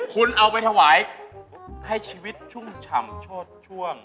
คุณเอาไปถวายให้ชีวิตชุ่มฉ่ำโชดช่วง